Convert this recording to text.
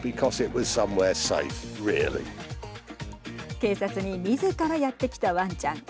警察にみずからやって来たわんちゃん。